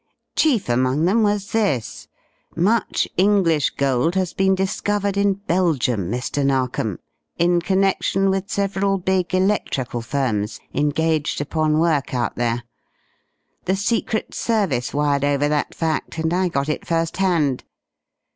"Chief among them was this: Much English gold has been discovered in Belgium, Mr. Narkom, in connection with several big electrical firms engaged upon work out there. The Secret Service wired over that fact, and I got it first hand.